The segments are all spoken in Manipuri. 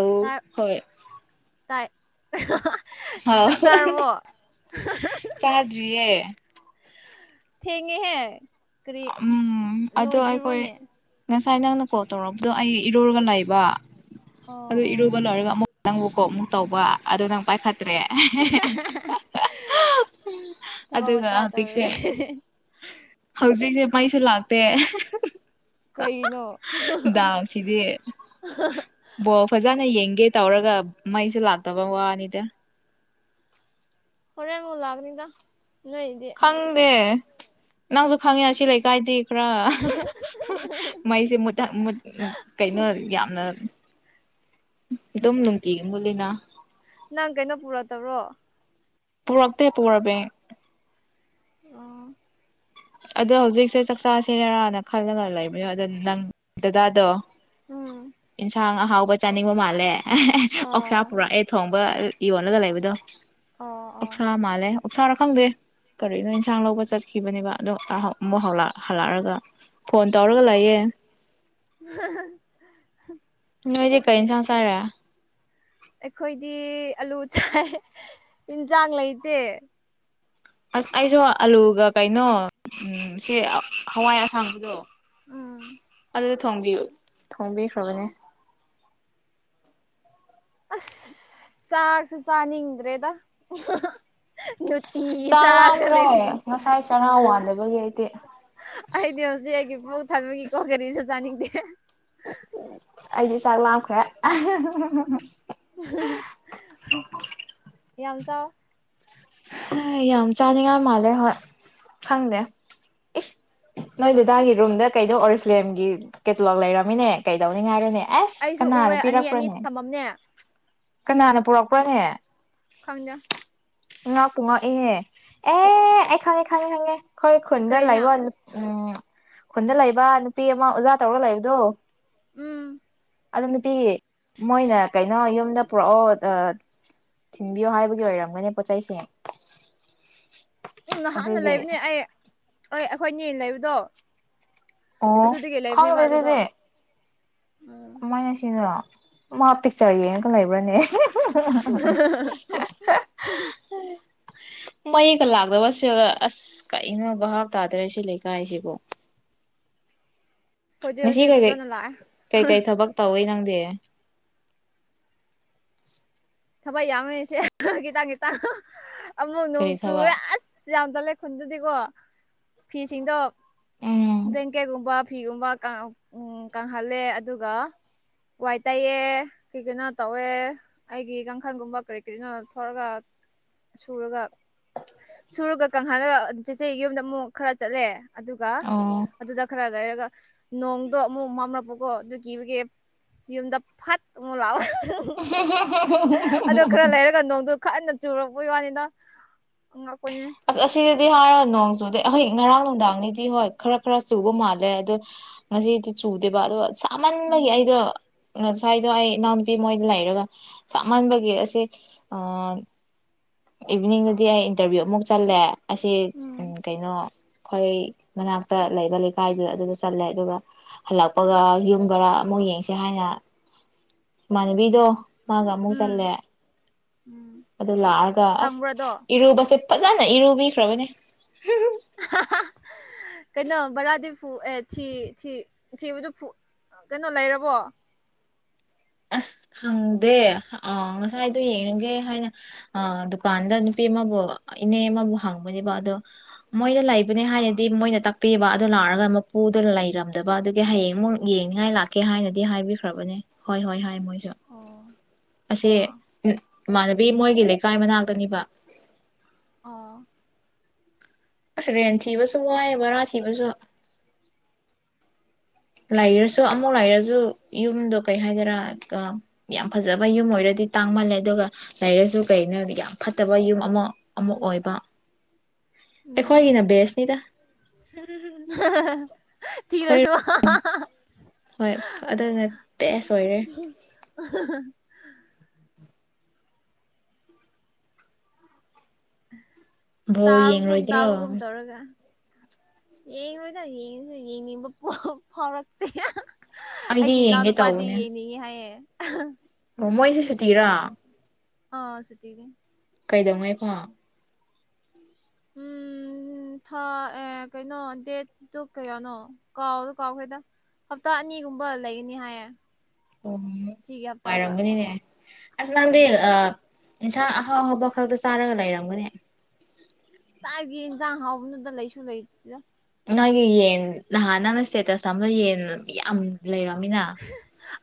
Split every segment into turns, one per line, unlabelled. ꯑꯣ
ꯇꯥꯏ
ꯍꯣꯏ
ꯇꯥꯏ
ꯍꯥꯎ
ꯆꯥꯛ ꯆꯔꯥꯕꯣ
ꯆꯥꯗ꯭ꯔꯤꯌꯦ
ꯊꯦꯡꯉꯦꯍꯦ ꯀꯔꯤ
ꯎꯝ ꯑꯗꯣ ꯑꯩꯈꯣꯏ
ꯂꯣꯏꯗ꯭ꯔꯤꯕꯣꯅꯦ
ꯉꯁꯥꯏ ꯅꯪꯅ ꯀꯣꯜ ꯇꯧꯔꯕꯗꯣ ꯑꯩ ꯏꯔꯨꯔꯒ ꯂꯩꯕ
ꯑꯣ
ꯑꯗꯨ
ꯑꯣ
ꯏꯔꯨꯕ ꯂꯣꯏꯔꯒ ꯑꯃꯨꯛ ꯅꯪꯕꯨꯀꯣ ꯑꯃꯨꯛ ꯇꯧꯕ ꯑꯗꯨ ꯅꯪ ꯄꯥꯏꯈꯠ ꯇꯔꯦ
ꯊꯕꯛ
ꯑꯗꯨꯒ
ꯃꯆꯥ
ꯍꯧꯖꯤꯛꯁꯦ
ꯇꯧꯔꯨꯔꯦ
ꯍꯧꯖꯤꯛꯁꯦ ꯃꯩꯁꯨ ꯂꯥꯛꯇꯦ
ꯀꯩꯒꯤꯅꯣ
[unintelligible] ꯗꯥꯎꯁꯤꯗꯤ ꯕꯣꯜ ꯐꯖꯅ ꯩꯅ ꯌꯦꯡꯒꯦ ꯇꯧꯔꯒ ꯃꯩꯁꯦ ꯂꯥꯛꯇꯕ ꯋꯥꯅꯤꯗ
ꯍꯨꯔꯦꯟꯕꯨ ꯂꯛꯀꯅꯤꯗ
ꯈꯪꯗꯦ ꯅꯪꯁꯨ ꯈꯪꯉꯦ ꯁꯤ ꯂꯩꯥꯏ ꯀꯥꯏꯗꯦ ꯈꯔ ꯃꯩꯁꯦ ꯀꯩꯅꯣ ꯌꯥꯝꯅ ꯗꯨꯝ ꯅꯨꯡꯇꯤꯒꯤ ꯃꯨꯇꯂꯤꯅ
ꯅꯪ ꯀꯩꯅꯣ ꯄꯨꯔꯛꯇꯕ꯭ꯔꯣ
ꯄꯨꯔꯜꯇꯦ ꯄꯨꯋꯔꯕꯦꯡ
ꯑꯣ
ꯑꯗꯣ ꯍꯧꯖꯤꯛꯁꯦ ꯆꯥꯛꯆꯥ ꯁꯦꯔꯔꯥꯅ ꯈꯜꯂꯒ ꯂꯩꯕꯅꯦꯣ ꯑꯗ ꯅꯪ ꯗꯗꯥꯗꯣ
ꯎꯝ
ꯏꯟꯁꯥꯡ ꯑꯍꯥꯎꯕ ꯆꯥꯅꯤꯡꯕ ꯃꯥꯜꯂꯦ ꯑꯣꯁꯥ
ꯑꯣ
ꯄꯨꯔꯛꯑ ꯊꯣꯡꯕ ꯌꯣꯜꯂꯒ ꯂꯩꯕꯗꯣ
ꯑꯣ ꯑꯣ
ꯑꯣꯛꯁꯥ ꯃꯥꯜꯂꯦ ꯎꯛꯁꯥꯔ ꯈꯪꯗꯦ ꯀꯔꯤꯅꯣ ꯌꯦꯟꯁꯥꯡ ꯂꯧꯕ ꯆꯠꯈꯤꯕꯅꯦꯕ ꯑꯗꯣ ꯑꯃꯨꯛ ꯍꯜꯂꯛꯑꯒ ꯐꯣꯟ ꯇꯧꯔꯒ ꯂꯩꯌꯦ
[unintelligible]
ꯅꯣꯏꯗꯤ ꯀꯩ ꯏꯟꯁꯥꯡ ꯆꯥꯏꯔ
ꯑꯩꯈꯣꯏꯗꯤ ꯑꯂꯨ ꯆꯥꯏ ꯌꯦꯟꯁꯥꯡ ꯂꯩꯇꯦ
ꯑꯁ ꯑꯩꯁꯨ ꯑꯂꯨꯒ ꯀꯩꯅꯣ ꯁꯦ ꯍꯋꯥꯏ ꯑꯁꯥꯡꯕꯗꯣ
ꯎꯝ
ꯑꯗꯨ ꯊ ꯊꯣꯡꯕꯤꯈ꯭ꯔꯕꯅꯦ
ꯑꯁ ꯁꯥꯥꯛꯁꯨ ꯁꯅꯤꯗ꯭ꯔꯦꯗ ꯇꯤꯒꯤ
ꯆꯥꯛ
ꯆꯥꯔꯒ
ꯂꯥꯝꯈ꯭ꯔꯦ
ꯂꯩꯕꯒꯦ
ꯉꯁꯥꯏ ꯆꯔꯥ ꯋꯥꯟꯗꯕꯒꯤ ꯑꯩꯗꯤ
ꯑꯩꯗꯤ ꯍꯧꯖꯤꯛ ꯑꯩꯒꯤ ꯃꯕꯒ ꯊꯟꯕꯒꯤ ꯀꯔꯤꯁꯨ ꯆꯥꯅꯤꯡꯗꯦ
ꯑꯩꯗꯤ ꯆꯥꯛ ꯂꯝꯈ꯭ꯔꯦ
ꯌꯥꯝ ꯆꯥꯎ
ꯌꯥꯝ ꯆꯥꯅꯤꯡꯉꯥꯏ ꯃꯥꯜꯂꯦ ꯍꯣꯏ ꯈꯪꯗꯦ ꯏꯁ ꯅꯣꯏ ꯗꯥꯗꯥꯒꯤ ꯔꯨꯝꯗ ꯀꯩꯗꯧ ꯑꯣꯔꯤꯐꯂꯦꯝꯒꯤ ꯀꯦꯇꯂꯣꯛ ꯂꯩꯔꯝꯃꯤꯅꯦ ꯀꯩꯗꯧꯅꯤ ꯉꯥꯏꯔꯅꯦ ꯑꯦꯁ
ꯑꯩꯁꯨ
ꯀꯅꯥꯅꯣ
ꯎꯑꯦ ꯑꯅꯤ ꯑꯅꯤ
ꯄꯤꯔꯛꯄ꯭ꯔꯣꯅꯦ
ꯊꯝꯃꯝꯅꯦ
ꯀꯅꯥꯅ ꯄꯨꯔꯛꯄ꯭ꯔꯣꯍꯦ
ꯈꯪꯗꯦ
ꯥꯉꯛꯄꯨ ꯉꯛꯑꯦꯅꯦ ꯑꯦ ꯑꯩ ꯈꯪꯑꯦ ꯈꯪꯑꯦ ꯑꯩꯈꯣꯏ ꯈꯨꯟꯗ
ꯀꯩꯅ
ꯂꯩꯕ ꯎꯝ ꯈꯨꯟꯗ ꯂꯩꯕ ꯅꯨꯄꯤ ꯑꯃ ꯑꯣꯖꯥ ꯇꯧꯔꯒ ꯂꯩꯕꯗꯣ
ꯎꯝ
ꯑꯗꯨ ꯅꯨꯄꯤ ꯃꯣꯏꯅ ꯀꯩꯅꯣ ꯌꯨꯝꯗ ꯄꯨꯔꯛꯑꯣ ꯊꯤꯟꯕꯤꯌꯣ ꯍꯥꯏꯕꯒꯤ ꯑꯣꯏꯔꯝꯒꯅꯤ ꯄꯣꯠꯆ ꯆꯩꯁꯤꯡ
ꯎꯝ ꯅꯍꯥꯛꯅ ꯂꯩꯕꯅꯦ ꯑꯩ ꯑꯩ ꯑꯩꯈꯣꯏꯅꯦ ꯂꯩꯕꯗꯣ
ꯑꯣ
ꯑꯗꯨꯗꯒꯤ ꯂꯩꯕꯅꯦꯕ
ꯈꯪꯗꯦ
ꯑꯗꯨꯗꯣ
ꯗꯨꯗꯤ
ꯎꯝ
ꯀꯃꯥꯏꯅ ꯁꯤꯅ ꯃꯥ ꯄꯤꯛꯆꯔ ꯌꯦꯡꯉꯒ ꯂꯩꯕ꯭ꯔꯥꯅꯦ
[unintelligible]
ꯃꯌꯦꯛꯀ ꯂꯥꯛꯇꯕꯁꯒ ꯑꯁ ꯀꯩꯅꯣ ꯚꯥꯞ ꯇꯥꯗ꯭ꯔꯦ ꯁꯤ ꯂꯩꯀꯥꯏꯁꯤꯕꯨ
ꯍꯧꯖꯤꯛ
ꯉꯁꯤ
ꯍꯧꯖꯤꯛ
ꯀꯩꯩ
ꯐꯖꯅ ꯂꯥꯛꯑꯦ
ꯀꯩꯀꯩ ꯊꯕꯛ ꯇꯧꯋꯤ ꯅꯪ ꯁꯦ
ꯊꯕꯛ ꯌꯥꯝꯎꯃꯤꯔꯤꯁꯦ ꯈꯤꯇꯪ ꯈꯤꯇꯪ ꯑꯃꯨꯛ ꯅꯣꯡ
ꯀꯔꯤ
ꯆꯨꯔꯦ
ꯊꯕꯛ
ꯑꯁ ꯌꯥꯝ ꯇꯜꯂꯦ ꯈꯨꯟꯗꯨꯗꯤꯀꯣ ꯐꯤꯁꯤꯡꯗꯣ
ꯎꯝ
ꯕꯦꯡꯀꯦꯠꯀꯨꯝꯕ ꯐꯤꯒꯨꯝꯕ ꯀꯪꯍꯜꯂꯦ ꯑꯗꯨꯒ ꯋꯥꯏ ꯇꯥꯏꯌꯦ ꯀꯤ ꯀꯩꯅꯣ ꯇꯧꯋꯦ ꯑꯩꯒꯤ ꯀꯥꯡꯈꯟꯒꯨꯝꯕ ꯀꯔꯤ ꯀꯔꯤꯅꯣ ꯊꯂꯒ ꯁꯨꯔꯒ ꯁꯨꯔꯒ ꯀꯪꯍꯜꯂꯒ ꯆꯦꯆꯦ ꯌꯨꯝꯗ ꯃꯨꯛ ꯈꯔ ꯆꯠꯂꯦ ꯑꯗꯨꯒ
ꯑꯣ
ꯑꯗꯨꯗ ꯈꯔ ꯂꯩꯔꯒ ꯅꯣꯡꯗꯣ ꯑꯃꯨꯛ ꯃꯝꯔꯛꯄꯀꯣ ꯑꯗꯨ ꯀꯤꯕꯒꯤ ꯌꯨꯝꯗ ꯐꯠ ꯑꯃꯨꯛ ꯂꯥꯎꯑꯣ
ꯍꯦ ꯍꯦ
ꯑꯗꯣ ꯈꯔ ꯂꯩꯔꯒ ꯅꯣꯡꯗꯣ ꯈꯟꯅ ꯆꯨꯔꯛꯄꯩ ꯋꯥꯅꯤꯗ ꯉꯛ
ꯑꯁ ꯑꯁꯤꯗꯗꯤ ꯍꯥꯥꯥꯏꯔ ꯅꯣꯡ ꯆꯨꯗꯦ ꯑꯩꯍꯣꯏ ꯉꯔꯥꯡ ꯅꯨꯡꯗꯥꯡꯗꯩꯗꯤ ꯍꯣꯏ ꯈꯔ ꯈꯔ ꯆꯨꯕ ꯃꯥꯜꯂꯦ ꯑꯗꯣ ꯉꯁꯤꯗꯤ ꯆꯨꯗꯦꯕ ꯑꯗꯣ ꯁꯥ ꯃꯟꯕꯒꯤ
ꯎꯝ
ꯑꯩꯗꯣ ꯉꯁꯥꯏꯗꯣ ꯑꯩ ꯏꯅꯥꯎꯄꯤ ꯃꯣꯏꯗ ꯂꯩꯔꯒ ꯁꯥꯃꯟꯕꯒꯤ ꯑꯁꯦ ꯑ ꯏꯚꯤꯅꯤꯡꯗꯗꯤ ꯑꯩ ꯏꯟꯇꯔꯚꯤꯌꯨ ꯑꯃꯨꯛ ꯆꯠꯂꯦ ꯑꯁꯤ ꯎꯝ ꯀꯩꯅꯣ ꯑꯩꯈꯣꯏ ꯃꯅꯥꯛꯇ ꯂꯩꯕ ꯂꯩꯀꯥꯏꯗꯨꯗ ꯑꯗꯨꯗ ꯆꯠꯂꯦ ꯑꯗꯨꯒ ꯍꯜꯂꯛꯄꯒ ꯌꯨꯝ ꯈꯔ ꯑꯃꯨꯛ ꯌꯦꯡꯁꯦ ꯍꯥꯏꯅ ꯏꯃꯥꯟꯅꯕꯤꯗꯣ ꯃꯥꯒ ꯑꯃꯨꯛ
ꯎꯝ
ꯆꯠꯂꯦ ꯑꯗꯨ ꯂꯥꯛꯑꯒ ꯑꯁ
ꯐꯪꯕ꯭ꯔꯥꯗꯣ
ꯏꯔꯨꯕꯁ ꯐꯖꯅ ꯏꯔꯨꯕꯤꯈ꯭ꯔꯕꯅꯦ ꯍꯨꯝ ꯎꯝ
ꯍꯥ ꯍꯥ ꯀꯩꯅꯣ ꯕꯔꯥꯗꯤ ꯐꯨ ꯑꯦ ꯊꯤ ꯊꯤ ꯊꯤꯕꯗꯨ ꯐꯨ ꯀꯩꯅꯣ ꯂꯩꯔꯕꯣ
ꯑꯁ ꯈꯪꯗꯦ ꯑ ꯉꯁꯥꯏꯗꯣ ꯌꯦꯡꯨꯒꯦ ꯍꯥꯏꯅ ꯑ ꯗꯨꯀꯥꯟꯗ ꯅꯨꯄꯤ ꯑꯃꯕꯨ ꯏꯅꯦ ꯑꯃꯕꯨ ꯍꯪꯕꯅꯦꯕ ꯑꯗꯣ ꯃꯣꯏꯅ ꯂꯩꯕꯅꯦ
ꯑꯥ
ꯍꯥꯏꯅꯗꯤ ꯃꯣꯏꯅ ꯇ ꯄꯤꯕ ꯑꯗꯨ ꯅꯥꯔꯒ ꯃꯄꯨꯗ ꯂꯩꯔꯝꯗꯕ ꯑꯗꯨꯒꯤ ꯍꯌꯦꯡꯃꯨꯛ ꯌꯦꯡꯅꯤꯡꯉꯥꯏ ꯂꯥꯛꯀꯦ ꯍꯥꯏꯅꯗꯤ ꯍꯥꯏꯕꯤꯈ꯭ꯔꯕꯅꯦ ꯍꯣꯏ ꯍꯣꯏ ꯍꯣꯏ ꯃꯣꯏꯁꯨ
ꯑꯣ
ꯑꯁꯤ
ꯑꯣ
ꯎꯝ ꯏꯃꯥꯟꯅꯕꯤ ꯃꯣꯏꯒꯤ ꯂꯩꯀꯥꯏ ꯃꯅꯥꯛꯇꯅꯤꯕ
ꯑꯣ
ꯑꯁ ꯔꯦꯟ ꯊꯤꯕꯁꯨ ꯋꯥꯏꯑꯦ ꯕꯔꯥ ꯊꯤꯕꯁꯨ ꯂꯩꯔꯁꯨ ꯑꯃꯨꯛ ꯂꯩꯔꯁꯨ ꯌꯨꯝꯗꯣ ꯀꯩ ꯍꯥꯏꯒꯦꯔꯥ ꯑ ꯌꯥꯝ ꯐꯖꯕ ꯌꯨꯝ ꯑꯣꯏꯔꯗꯤ ꯇꯥꯡꯃꯜꯂꯦ ꯑꯗꯨꯒ ꯂꯩꯔꯁꯨ ꯀꯩꯅꯣꯗ ꯍꯥꯏ ꯌꯥꯝ ꯐꯠꯇꯕ ꯌꯨꯝ ꯑꯃ ꯑꯃꯨꯛ ꯑꯣꯏꯕ
[inaudible]
ꯑꯩꯈꯣꯏꯒꯤꯅ ꯕꯦꯁꯅꯤꯗ
ꯍ ꯍ ꯍ ꯍ ꯊꯤꯔꯁꯨ
ꯑꯩꯈꯣꯏ
ꯋꯥ ꯍꯥ ꯍꯥ ꯍꯥ
ꯍꯣꯏ ꯑꯗꯨꯅ ꯕꯦꯁ ꯑꯣꯏꯔꯦ
ꯍ [unintelligible]
ꯕꯣꯜ
ꯇꯥꯕꯒꯨꯝ
ꯌꯦꯡꯔꯣꯏꯗ꯭ꯔꯣ
ꯇꯥꯕꯒꯨꯞ ꯇꯧꯔꯒ ꯌꯦꯡꯉꯔꯣꯏꯗ ꯌꯦꯡꯉꯁꯨ ꯌꯦꯡꯅꯤꯡꯕ ꯄꯣꯛ ꯐꯥꯎꯔꯛꯇꯦ ꯍꯥ ꯍ ꯑꯩꯒꯤ
ꯑꯩꯗꯤ
ꯏꯅꯥꯎ
ꯌꯦꯡꯒꯦ
ꯅꯨꯄꯥꯗꯤ
ꯇꯧꯕꯅꯦ
ꯌꯦꯡꯅꯤꯡꯉꯦ ꯍꯥꯏꯌꯦ
ꯃꯣꯏꯁꯨꯦ ꯁꯨꯇꯤꯔꯥ
ꯑ ꯁꯨꯇꯤꯅꯤ
ꯀꯩꯗꯧꯉꯩ ꯐꯥꯎ
ꯎꯝ ꯎꯝ ꯊꯥ ꯑꯦ ꯀꯩꯅꯣ ꯗꯦꯠꯇꯨ ꯀꯌꯥꯅꯣ ꯀꯥꯎꯗꯣ ꯀꯥꯎꯈ꯭ꯔꯦꯗ ꯍꯞꯇꯥ ꯑꯅꯤꯒꯨꯝꯕ ꯂꯩꯒꯅꯤ ꯍꯥꯏꯌꯦ
ꯎꯝ
ꯁꯤꯒꯤ ꯍꯞꯇꯥꯒ
ꯅꯨꯡꯉꯥꯏꯔꯝꯒꯅꯤꯅꯦ ꯑꯁ ꯅꯪꯗꯤ ꯑ ꯏꯟꯁꯥꯡ ꯑꯍꯥꯎ ꯍꯥꯎꯕ ꯈꯛꯇ ꯆꯥꯔꯒ ꯂꯩꯔꯝꯒꯅꯦ
ꯇꯥꯏꯒꯤ ꯌꯦꯟꯁꯥꯡ ꯍꯥꯎꯕꯅꯣꯗ ꯂꯩꯁꯨ ꯂꯩꯇꯗ
ꯅꯪꯒꯤ ꯌꯦꯟ ꯅꯍꯥꯟ ꯅꯪꯅ ꯁ꯭ꯇꯦꯇꯁ ꯊꯝꯕ ꯌꯦꯟ ꯌꯥꯝ ꯂꯩꯔꯝꯃꯤꯅ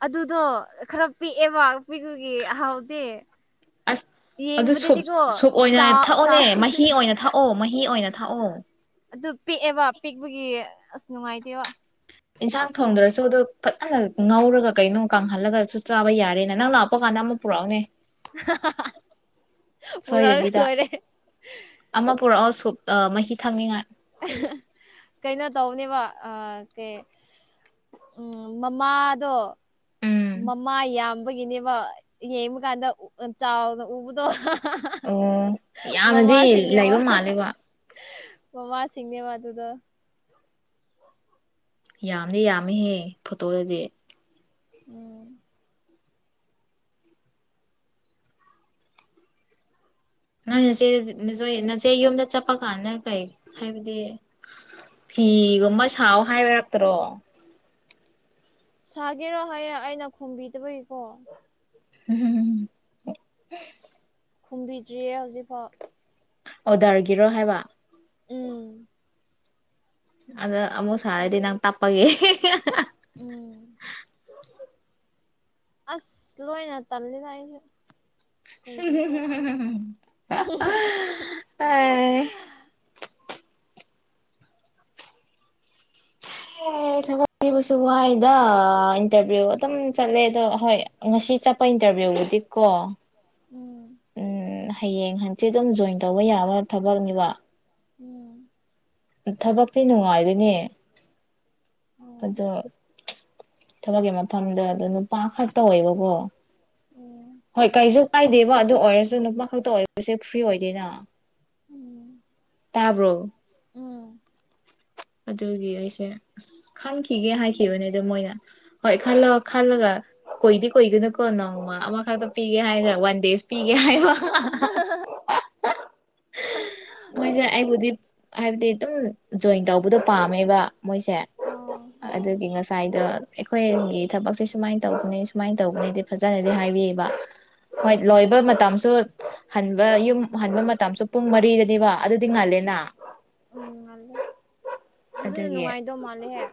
ꯑꯗꯨꯗꯣ ꯈꯔ ꯄꯤꯛꯑꯦꯕ ꯄꯤꯛꯄꯒꯤ ꯑꯍꯥꯎꯗꯦ
ꯑꯁ ꯑꯗꯨ ꯁꯨꯞ ꯁꯨꯞ ꯑꯣꯏꯅ
ꯆꯥꯎ
ꯊꯛꯑꯣꯅꯦ ꯃꯍꯤ
ꯆꯥꯎꯔꯕꯅꯦ
ꯑꯣꯏꯅ ꯊꯛꯑꯣ ꯃꯍꯤ ꯑꯣꯏꯅ ꯊꯛꯑꯣ
ꯑꯗꯨ ꯄꯤꯛꯑꯦꯕ ꯄꯤꯛꯄꯒꯤ ꯑꯁ ꯅꯨꯡꯉꯥꯏꯇꯦꯕ
ꯏꯟꯁꯥꯡ ꯊꯣꯡꯗ꯭ꯔꯁꯨ ꯑꯗꯨ ꯐꯖꯅ ꯉꯧꯔꯒ ꯀꯩꯅꯣ ꯀꯥꯡꯍꯜꯂꯒꯁꯨ ꯆꯥꯕ ꯌꯥꯔꯦꯅ ꯅꯪ ꯂꯥꯛꯄ ꯀꯥꯟꯗ ꯑꯃꯨ ꯄꯨꯔꯥꯎꯅꯦ
ꯍꯥ ꯍꯥ ꯍꯥ ꯄꯨꯔꯥ
ꯁꯣꯏꯗꯕꯤꯗ
ꯂꯣꯏꯔꯦ
ꯑꯃ ꯄꯨꯔꯛꯑꯣ ꯁꯨꯞ ꯃꯍꯤ ꯊꯛꯅꯤꯡꯉꯥꯏ
[unintelligible] ꯀꯩꯅꯅꯣ ꯇꯧꯅꯦꯕ ꯀꯦ ꯎꯝ ꯃꯃꯥꯗꯣ
ꯎꯝ
ꯃꯃꯥ ꯌꯥꯝꯕꯒꯤꯅꯦꯕ ꯌꯦꯡꯕꯀꯥꯟꯗ ꯆꯥꯎꯅ ꯎꯕꯗꯣ
ꯑꯣ ꯌꯥꯝꯅꯗꯤ
ꯃꯃꯥꯁꯤꯡꯅꯦꯕ
ꯂꯩꯕ ꯃꯥꯜꯂꯦꯕ
ꯃꯥꯃꯥꯁꯤꯡꯅꯦꯕ ꯃꯥꯗꯨꯗ
ꯌꯥꯝꯗꯤ ꯌꯥꯝꯃꯤꯍꯦ ꯐꯣꯇꯣꯗꯗꯤ
ꯎꯝ
ꯅꯪ ꯅꯆꯦ ꯅ ꯅꯆꯦ ꯌꯨꯝꯗ ꯆꯠꯄ ꯀꯥꯟꯗ ꯀꯩ ꯍꯥꯏꯕꯗꯤ ꯐꯤꯒꯨꯝꯕ ꯁꯥꯎ ꯍꯥꯏꯕꯔꯛꯇ꯭ꯔꯣ
ꯁꯥꯒꯦꯔꯣ ꯍꯥꯏꯌꯦ ꯑꯩꯅ ꯈꯣꯝꯕꯤꯗꯕꯒꯤꯀꯣ
ꯍꯝ
ꯈꯨꯝꯕꯤꯗ꯭ꯔꯤꯌꯦ ꯍꯧꯖꯤꯛꯐꯥꯎ
ꯑꯣꯗꯔꯒꯤꯔꯣ ꯍꯥꯏꯕ
ꯎꯝ
ꯑꯗ ꯑꯃꯨꯛ
ꯑꯁꯤ
ꯁꯥꯔꯗꯤ ꯅꯪ ꯇꯞꯄꯒꯦ
ꯎꯝ ꯑꯁ ꯂꯣꯏꯅ ꯇꯂꯦ ꯂꯥꯛ ꯑꯩꯁꯨꯦ
[unintelligible] ꯍꯦ [unintelligible] [inaudible] ꯁꯤꯕꯨꯁꯨ ꯋꯥꯍꯗ ꯏꯟꯇꯔꯚꯤꯌꯨ ꯑꯗꯨꯝ ꯆꯠꯂꯦ ꯑꯗꯣ ꯍꯣꯏ ꯉꯁꯤ ꯆꯠꯄ ꯏꯟꯇꯔꯚꯤꯌꯨꯕꯨꯗꯤꯀꯣ
ꯎꯝ
ꯎꯝ ꯍꯌꯦꯡ ꯍꯟꯆꯤꯠ ꯑꯗꯨꯝ ꯖꯣꯏꯟ ꯇꯧꯕ ꯌꯥꯕ ꯊꯕꯛꯅꯦꯕ
ꯎꯝ
ꯊꯕꯛꯇꯤ ꯅꯨꯡꯉꯥꯏꯗꯨꯅꯦ
ꯑꯣ
ꯑꯗꯣ ꯊꯕꯛꯀꯤ ꯃꯐꯝꯗꯣ ꯑꯗꯣ ꯅꯨꯄꯥ ꯈꯛꯇ ꯑꯣꯏꯦꯕꯀꯣ
ꯑꯣ
ꯍꯣꯏ ꯀꯩꯁꯨ ꯀꯥꯏꯗꯦꯕ ꯑꯗꯨ ꯑꯣꯏꯔꯁꯨ ꯅꯨꯄꯥ ꯈꯛꯇ ꯑꯣꯏꯕꯁꯦ ꯐ꯭ꯔꯤ ꯑꯣꯏꯗꯣꯏꯅ
ꯎꯝ
ꯇꯥꯕꯔꯣ
ꯎꯝ
ꯑꯗꯨꯒꯤ ꯑꯩꯁꯦ ꯑꯁ ꯈꯟꯈꯤꯒꯦ ꯍꯥꯏꯈꯤꯕꯅꯦꯗ ꯃꯣꯏꯅ ꯍꯣꯏ ꯈꯂ ꯈꯜꯂꯒ ꯀꯣꯏꯗꯤ ꯀꯣꯏꯒꯅꯨꯀꯣ ꯅꯣꯡꯃ ꯑꯃꯈꯛꯇ ꯄꯤꯒꯦ ꯍꯥꯏꯗ꯭ꯔꯥ ꯋꯥꯟ ꯗꯦꯖ ꯄꯤꯒꯦ ꯍꯥꯏꯕ
[inaudible]
ꯃꯣꯏꯁꯦ ꯑꯩꯕꯨꯗꯤ ꯍꯥꯏꯕꯗꯤ ꯑꯗꯨꯝ ꯖꯣꯏꯟ ꯇꯧ ꯕꯨꯗ ꯄꯥꯝꯃꯦꯕ ꯃꯣꯏꯁꯦ
ꯑꯣ ꯑꯣ
ꯑꯗꯨꯒꯤ ꯉꯁꯥꯏꯗ ꯑꯩꯈꯣꯏꯒꯤ ꯊꯕꯛꯁꯦ ꯁꯨꯃꯥꯏꯅ ꯇꯧꯒꯅꯤ ꯁꯨꯃꯥꯏꯅ ꯇꯧꯕꯒꯅꯤꯗꯤ ꯐꯖꯅꯗꯤ ꯍꯥꯏꯕꯤꯌꯦꯕ ꯍꯣꯏ
ꯑꯣ
ꯂꯣꯏꯕ ꯃꯇꯝꯁꯨ ꯍꯟꯕ ꯌꯨꯝ ꯍꯟꯕ ꯃꯇꯝꯁꯨ ꯄꯨꯡ ꯃꯔꯤꯗꯗꯤꯕ ꯑꯗꯨꯗꯤ ꯉꯥꯜꯂ ꯂꯦꯅ
ꯎꯝ ꯃꯥꯂꯦ ꯑꯗꯨꯗꯨꯅ
ꯑꯗꯨꯒꯤ
ꯅꯨꯡꯉꯥꯏꯗ ꯃꯥꯂꯦꯍ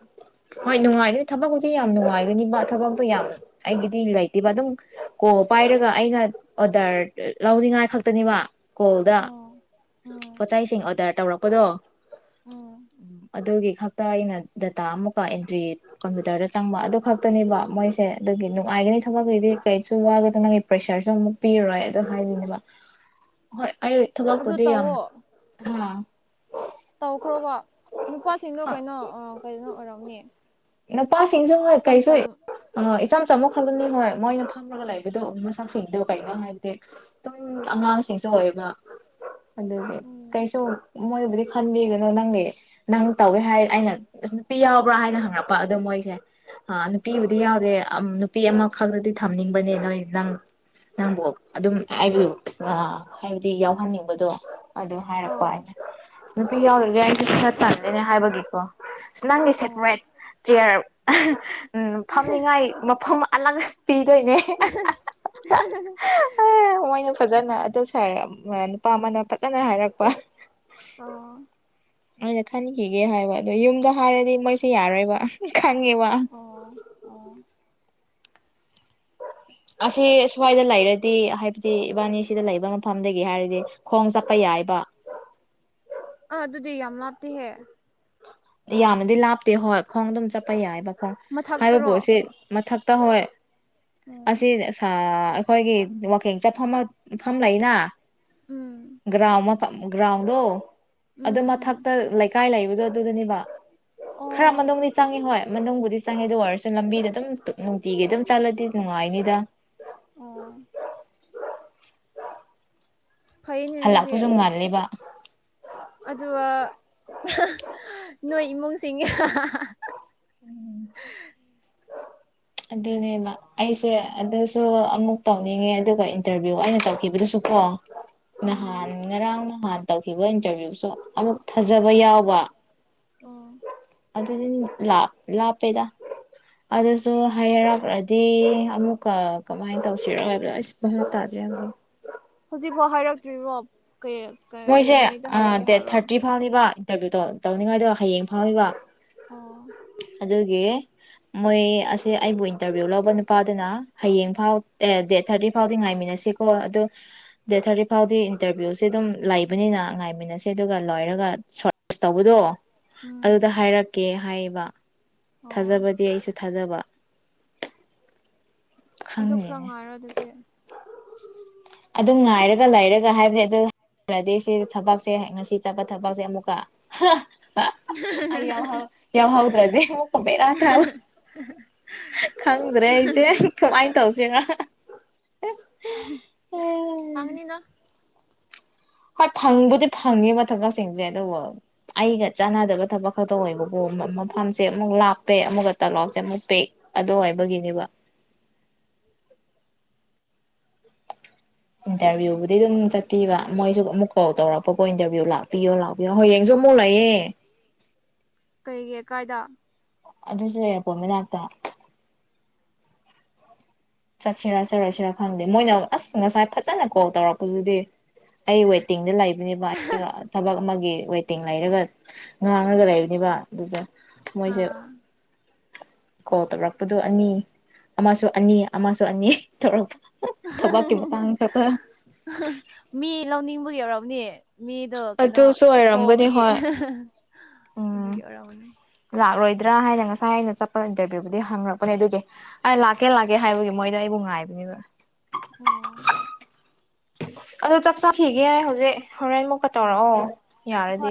ꯍꯣꯏ ꯅꯨꯡꯉꯥꯏꯒꯅꯤ ꯊꯕꯛꯗꯤꯤ ꯌꯥꯝ ꯅꯨꯡꯉꯥꯏꯒꯅꯤ ꯃꯥ ꯊꯕꯛꯇꯣ ꯌꯥꯝ ꯑꯩꯒꯤꯗꯤ ꯂꯩꯇꯦꯕ ꯑꯗꯨꯝ ꯀꯣ ꯄꯥꯏ ꯍꯥꯏꯔꯒ ꯑꯩꯅ ꯑꯣꯗꯔ ꯂꯧꯅꯤꯡꯉꯥꯏ ꯈꯛꯇꯅꯦꯕ ꯀꯣꯜꯗ
ꯑꯣ ꯎꯝ
ꯄꯣꯠꯆꯩꯁꯤꯡ ꯑꯣꯗꯔ ꯇꯧꯔꯛꯄꯗꯣ ꯎꯝ ꯑꯗꯨꯗꯒꯤ ꯈꯛꯇ ꯑꯩꯅ ꯗꯇꯥ ꯑꯃꯨꯛꯀ ꯑꯦꯟꯇ꯭ꯔꯤ ꯀꯝꯄ꯭ꯌꯨꯇꯔꯗ ꯆꯪꯕ ꯑꯗꯨ ꯈꯛꯇꯅꯦꯕ ꯃꯣꯏꯁꯦ ꯑꯗꯨꯒꯤ ꯅꯨꯡꯉꯥꯏ ꯍꯥꯏꯒꯅꯤ ꯊꯕꯛꯀꯤꯨꯗꯤ ꯀꯩꯁꯨ ꯋꯥꯒꯗꯣ ꯅꯪꯒꯤ ꯄ꯭ꯔꯦꯁꯔꯁꯨ ꯑꯃꯨꯛ ꯄꯤꯔꯔꯣꯏ ꯑꯗꯨ ꯍꯥꯏꯗꯨꯣꯏꯅꯦꯕ ꯍꯣꯏ ꯑꯩ
ꯑꯗꯨ
ꯊꯕꯛꯄꯨꯗꯤ ꯌꯥꯝ
ꯇꯧꯋꯣ ꯇꯧꯈ꯭ꯔꯣꯕ ꯅꯨꯄꯥꯁꯤꯡꯗꯣ ꯀꯩꯅꯣ ꯀꯩꯅꯣ ꯑꯣꯏꯔꯝꯅꯦ
ꯏ ꯅꯨꯄꯥꯁꯤꯡꯁꯨ ꯍꯣꯏ ꯀꯩꯁꯨ ꯑ ꯏꯆꯝ ꯆꯝꯃ ꯈꯜꯂꯅꯤ ꯍꯣꯏ ꯃꯣꯏꯅ ꯐꯝꯃꯒ ꯂꯩꯕꯗꯣ ꯃꯁꯛꯁꯤꯡꯗꯣ ꯀꯩꯅꯣ ꯍꯥꯏꯕꯗꯤ ꯑꯗꯨꯝ ꯑꯉꯥꯡꯁꯤꯡꯁꯨ ꯑꯣꯏꯌꯦꯕ ꯑꯗꯨꯒꯤ
ꯎꯝ
ꯀꯩꯁꯨ ꯃꯣꯏꯕꯨꯗꯤ ꯈꯟꯕꯤꯒꯅꯨ ꯅꯪꯒꯤ ꯅꯪ ꯇꯧꯋꯦ ꯍꯥꯏꯔ ꯑꯩꯅ ꯑꯁ ꯅꯨꯄꯤ ꯌꯥꯎꯕ꯭ꯔꯥ ꯍꯥꯏꯅ ꯍꯪꯉꯛꯄ ꯑꯣ ꯃꯣꯏꯁꯦ ꯅꯨꯄꯤꯕꯨꯗꯤ
ꯑꯣ
ꯌꯥꯎꯗꯦ ꯅꯨꯄꯤ ꯑꯃꯈꯛꯇꯗꯤ ꯊꯝꯅꯤꯡꯕꯅꯦ ꯅꯣꯏ ꯅꯪ ꯅꯪꯕꯨ ꯑꯗꯨꯝ ꯍꯥꯏꯕꯨ ꯍꯥꯏꯕꯗꯤ ꯌꯥꯎꯍꯟꯅꯤꯡꯕꯗꯣ ꯑꯗꯨ ꯍꯥꯏꯔꯛꯄ
ꯑꯣ
ꯍꯥꯏꯅꯦ ꯅꯨꯄꯤ ꯌꯥꯎꯔꯒꯦ ꯑꯩꯁꯨ ꯈꯔ ꯇꯜꯗꯦꯅꯦ ꯍꯥꯏꯕꯒꯤꯀꯣ ꯁ ꯅꯪꯒꯤ
ꯑꯣ
ꯁꯦꯄꯔꯦꯠ ꯆꯤꯌꯔ ꯑꯍꯥ ꯎꯝ ꯐꯝꯅꯤꯉꯥꯏ ꯃꯐꯝ ꯑꯂꯛ ꯄꯤꯗꯣꯏꯅꯦ ꯑꯍꯥ ꯍꯥ ꯍꯥ ꯍꯥ ꯍꯥ ꯍꯣꯏꯅ ꯐꯖꯅ ꯑꯗꯨ ꯁꯥꯔ ꯑꯝ ꯑꯥ ꯅꯨꯄꯥ ꯑꯃꯅ ꯐꯖꯅ ꯍꯥꯏꯔꯛꯄ
ꯑꯣ
ꯑꯩꯅ ꯈꯟꯈꯤꯒꯦ ꯍꯥꯏꯕ ꯑꯗꯨ ꯌꯨꯝꯗ ꯍꯥꯏꯔꯗꯤ ꯃꯣꯏꯁꯤ ꯌꯥꯔꯣꯏꯕ ꯈꯪꯉꯦꯕ
ꯑꯣ ꯑꯣ
ꯑꯁꯤ ꯁ ꯁ꯭ꯋꯥꯏꯗ ꯂꯩꯔꯗꯤ ꯍꯥꯏꯕꯗꯤ ꯏꯕꯥꯅꯤꯁꯤꯗ ꯂꯩꯕ ꯃꯐꯝꯗꯒꯤ ꯍꯥꯏꯔꯗꯤ ꯈꯣꯡ ꯆꯠꯄ ꯌꯥꯏꯕ
ꯑ ꯑꯗꯨꯗꯤ ꯌꯥꯝ ꯂꯥꯞꯇꯦꯍꯦ
ꯌꯥꯝꯅꯗꯤ ꯂꯥꯞꯇꯦ ꯍꯣꯏ ꯈꯣꯡ ꯑꯗꯨꯝ ꯆꯠꯄ ꯌꯥꯏꯕꯀꯣ ꯍꯥꯏꯕꯕꯨ
ꯃꯊꯛꯇꯔꯣ
ꯁꯤ ꯃꯊꯛ ꯇ ꯍꯣꯏ
ꯎꯝ
ꯑꯁꯤ ꯁꯥ ꯑꯈꯣꯏꯒꯤ ꯋꯥꯀꯤꯡ ꯆꯠꯐꯝ ꯃꯐꯝ ꯂꯩꯅ
ꯎꯝ
ꯒ꯭ꯔꯥꯎ ꯃꯐ ꯒ꯭ꯔꯥꯎꯟꯗꯣ ꯑꯗꯨ
ꯎꯝ ꯎꯝ
ꯃꯊꯛꯇ ꯂꯩꯀꯥꯏ ꯂꯩꯕꯗꯣ ꯑꯗꯨꯗꯨꯅꯦꯕ ꯈꯔ
ꯑꯣ
ꯃꯅꯨꯡꯗꯤ ꯆꯪꯉꯤ ꯍꯣꯏ꯫ ꯃꯅꯨꯡꯕꯨꯗꯤ ꯆꯪꯉꯤ ꯗꯨ ꯑꯣꯏꯔꯁꯨ ꯂꯝꯕꯤꯗ ꯑꯗꯨꯝ ꯇꯨ ꯅꯨꯡꯇꯤꯒꯤ ꯑꯗꯨꯝ ꯆꯠꯂꯗꯤ ꯅꯨꯡꯉꯥꯏꯅꯤꯗ
ꯑꯣ ꯐꯩꯅꯦ ꯑꯗꯨꯗꯤ
ꯍꯜꯂꯛꯄꯁꯨ ꯉꯜꯂꯤꯕ
ꯑꯗꯨꯒ ꯑꯍꯥ ꯍ ꯅꯣꯏ ꯏꯃꯨꯡꯁꯤꯡ ꯑꯥꯍ ꯍꯥ ꯍꯥ ꯍꯥ ꯍꯥ
ꯑꯗꯨꯅꯦꯕ ꯑꯩꯁꯦ ꯑꯗꯨꯁꯨ ꯑꯃꯨꯛ ꯇꯧꯅꯤꯡꯉꯦ ꯑꯗꯨꯒ ꯏꯟꯇꯔꯚꯤꯌꯨ ꯑꯩꯅ ꯇꯧꯈꯤꯕꯗꯨꯁꯨ ꯄꯣ
ꯎꯝ
ꯅꯍꯥꯟ ꯉꯔꯥꯡ ꯅꯍꯥꯟ ꯇꯧꯈꯤꯕ ꯏꯟꯇꯔꯚꯤꯌꯨꯁꯨ ꯑꯃꯨꯛ ꯊꯥꯖꯕ ꯌꯥꯎꯕ
ꯑꯣ
ꯑꯗꯨꯗꯤ ꯂꯥꯞ ꯂꯥꯞꯄꯦꯗ ꯑꯗꯨꯁꯨ ꯍꯥꯏꯔꯛꯂꯗꯤ ꯑꯃꯨꯛꯀ ꯀꯃꯥꯏ ꯇꯧꯁꯤꯔ ꯍꯥꯏꯕꯔ ꯑꯁ ꯚꯥꯕ ꯇꯥꯗꯦ [inaudible]
ꯍꯧꯖꯤꯛꯐꯥꯎ ꯍꯥꯏꯔꯛꯇ꯭ꯔꯤꯕꯣ ꯀꯔꯤ ꯀꯔꯤ
ꯃꯣꯏꯁꯦ
ꯅꯨꯃꯤꯠꯇ ꯍꯥꯏꯔꯛꯀꯦ
ꯗꯦꯠ
ꯍꯥꯏꯕ꯭ꯔꯣ
ꯊꯥꯔꯇꯤ ꯐꯥꯎꯅꯤꯕ ꯏꯟꯇꯔꯚꯤꯌꯨꯗꯣ ꯇꯧꯅꯤꯡꯉꯥꯏꯗꯣ ꯍꯌꯦꯡ ꯐꯥꯎꯅꯤꯕ
ꯑꯣ
ꯑꯗꯨꯒꯤ ꯃꯣꯏ ꯑꯁꯦ ꯑꯩꯕꯨ ꯏꯟꯇꯔꯚꯤꯌꯨ ꯂꯧꯕ ꯅꯨꯄꯥꯗꯨꯅ ꯍꯌꯦꯡ ꯐꯥꯎ ꯑꯦ ꯗꯦꯠ ꯊꯥꯔꯇꯤ ꯐꯥꯎꯗꯤ ꯉꯥꯏꯃꯤꯟꯅ ꯑꯁꯤꯀꯣ ꯑꯗꯣ ꯗꯦꯠ ꯊꯥꯔꯇꯤ ꯐꯥꯎꯗꯤ ꯏꯟꯇꯔꯚꯤꯌꯨꯁꯦ ꯑꯗꯨꯝ ꯂꯩꯕꯅꯤꯅ ꯉꯥꯏꯃꯤꯟꯅꯁꯦ ꯑꯗꯨꯒ ꯂꯣꯏꯔꯒ ꯁꯣꯔꯁ ꯇꯧꯕꯗꯣ ꯑꯗꯨꯗ
ꯎꯝ
ꯍꯥꯏꯔꯛꯀꯦ ꯍꯥꯏꯌꯦꯕ
ꯑꯣ
ꯊꯥꯖꯕꯗꯤ ꯑꯩꯁꯨ ꯊꯥꯖꯕ
ꯑꯗꯨ ꯈꯔ
ꯈꯪꯗꯦꯅꯦ
ꯉꯥꯏꯔꯣ ꯑꯗꯨꯗꯤ
ꯑꯗꯨꯝ ꯉꯥꯏꯔꯒ ꯂꯩꯔꯒ ꯍꯥꯏꯕꯅꯤ ꯑꯗꯨ ꯑꯗꯨꯗꯤ ꯁꯤ ꯊꯕꯛꯁꯦ ꯉꯁꯤ ꯆꯠꯄ ꯊꯕꯛꯁꯦ ꯑꯃꯨꯛꯀ ꯍꯥ ꯍꯥ ꯍꯥ ꯑꯩ ꯌꯥꯍꯧ ꯌꯥꯍꯧꯗ꯭ꯔꯗꯤ ꯑꯃꯨꯛꯀ ꯕꯦꯔꯥ ꯇꯥꯕ ꯈꯪꯗ꯭ꯔꯦ ꯑꯩꯁꯦ ꯀꯃꯥꯏꯅ ꯇꯧꯁꯤꯔ
ꯍꯨꯝ ꯐꯪꯅꯤꯅ
ꯍꯣꯏ ꯐꯪꯕꯨꯗꯤ ꯐꯪꯉꯤꯕ ꯊꯕꯛꯁꯤꯡꯁꯦ ꯑꯗꯨꯕꯨ ꯑꯩꯒ ꯆꯥꯟꯅꯗꯕ ꯊꯕꯛ ꯈꯛꯇ ꯑꯣꯏꯕꯀꯣ ꯃ ꯃꯐꯝꯁꯦ ꯑꯃꯨꯛ ꯂꯥꯞꯄꯦ ꯑꯃꯨꯛꯀ ꯇꯂꯥꯎꯆꯦ ꯑꯃꯨꯛ ꯄꯦꯛ ꯑꯗꯨ ꯑꯣꯏꯕꯒꯤꯅꯦꯕ
[inaudible]
ꯏꯟꯇꯔꯚꯤꯌꯨꯕꯨꯗꯤ ꯑꯗꯨꯝ ꯆꯠꯄꯤꯕ ꯃꯣꯏꯁꯨ ꯑꯃꯨꯛ ꯀꯣꯜ ꯇꯧꯔꯛꯄꯀꯣ ꯏꯟꯇꯔꯚꯤꯌꯨ ꯂꯥꯛꯄꯤꯌꯣ ꯂꯥꯛꯄꯤꯌꯣ ꯍꯌꯦꯡꯁꯨ ꯇꯨꯃꯨ ꯂꯩꯌꯦ
ꯀꯩꯒꯤ ꯀꯥꯏꯗ
ꯑꯗꯨꯁꯨ ꯏꯌꯔꯄꯣꯠ ꯃꯅꯥꯛꯇ ꯆꯠꯁꯤꯔꯥ ꯆꯠꯂꯣꯌꯁꯤꯔꯥ ꯈꯪꯗꯦ ꯃꯣꯏꯅ ꯑꯁ ꯉꯁꯥꯏ ꯐꯖꯅ ꯀꯣꯜ ꯇꯧꯔꯛꯄꯗꯨꯗꯤ ꯑꯩ ꯋꯦꯇꯤꯡꯗ ꯂꯩ ꯅꯦꯕ ꯑꯕ ꯊꯕꯛ ꯑꯃꯒꯤ ꯋꯦꯇꯤꯡ ꯂꯩꯔꯒ ꯉꯥꯡꯉꯒ ꯂꯩꯕꯅꯦꯕ ꯑꯗꯨꯗ
ꯑꯥ
ꯀꯣ ꯇꯧꯔꯛꯄꯗꯨ ꯑꯅꯤ ꯑꯃꯁꯨ ꯑꯅꯤ ꯑꯃꯁꯨ ꯑꯅꯤ ꯇꯧꯔꯛꯄ ꯊꯕꯛꯀꯤ ꯃꯇꯥꯡ ꯈꯛꯇ
ꯃꯤ ꯂꯧꯅꯤꯡꯕꯒꯤ ꯌꯧꯔꯔꯕꯅꯤ ꯃꯤꯗꯣ ꯀꯩꯅꯣ
ꯑꯗꯨꯁꯨ ꯑꯣꯏꯔꯝꯒꯅꯤ
ꯍꯣꯕꯒꯤ
ꯍꯣꯏ
ꯑꯗꯨꯒꯤ ꯑꯣꯏꯔꯥꯎꯅꯤ
ꯗ꯭ꯔꯥ ꯍꯥꯏꯅ ꯉꯁꯥꯏ ꯑꯩꯅ ꯆꯠꯄ ꯏꯟꯇꯔꯚꯤꯌꯨꯕꯨꯗꯤ ꯍꯪꯉꯛꯄꯅꯦ ꯑꯗꯨꯗꯤ ꯑꯩ ꯂꯥꯛꯀꯦ ꯂꯥꯛꯀꯦ ꯍꯥꯏꯕꯒꯤ ꯃꯣꯏꯗꯣ ꯑꯩꯕꯨ ꯉꯥꯏꯕꯅꯤ ꯕ
ꯑꯣꯝ
ꯑꯗꯨꯣ ꯆꯥꯛ ꯆꯥꯈꯤꯒꯦ ꯍꯧꯖꯤꯛ ꯍꯣꯔꯦꯟꯃꯨꯛꯀ ꯇꯧꯔꯛꯑꯣ
ꯍꯣꯏ
ꯌꯥꯔꯗꯤ